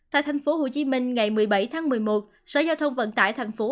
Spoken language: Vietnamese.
tại thành phố hồ chí minh ngày một mươi bảy tháng một mươi một sở giao thông vận tải thành phố